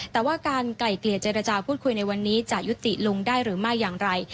แต่ว่าการไกล่เกลี่ยเจรจาพูดคุยในวันนี้จะยุติลงได้หรือไม่อย่างไร